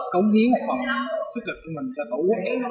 cống hiến một phần